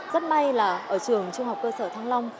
rất may là ở trường trung học cơ sở thăng long